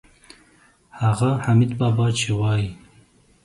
هغه حمیدبابا چې وایي.